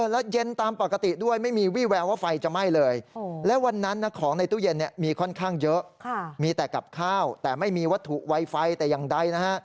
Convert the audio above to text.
และเย็นตามปกติด้วยไม่มีวี่แววว่าไฟจะไหม้เลยและวันนั้นนะของในตู้เย็นเนี่ยมีค่อนข้างเยอะมีแต่กับข้าวแต่ไม่มีวัตถุไวไฟแต่อย่างใดนะฮะ